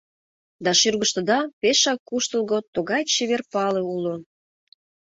Да шӱргыштыда пешак куштылго тугай чевер пале уло.